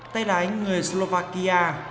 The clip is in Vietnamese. tây lái người slovakia